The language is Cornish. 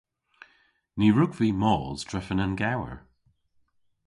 Ny wrug vy mos drefen an gewer.